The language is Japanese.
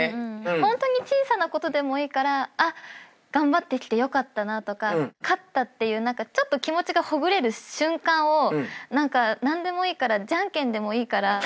ホントに小さなことでもいいから頑張ってきてよかったなとか勝ったっていうちょっと気持ちがほぐれる瞬間を何でもいいからじゃんけんでもいいから。